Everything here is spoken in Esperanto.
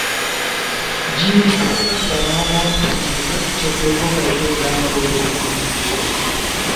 Ĝi ricevas la nomon Tunizo, ĉefurbo kaj plej granda urbo de Tunizio.